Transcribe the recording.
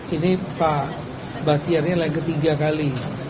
ini pak batyar yang lain ketiga kali